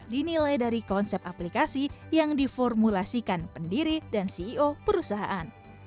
dinilai dari konsep aplikasi yang diformulasikan pendiri dan ceo perusahaan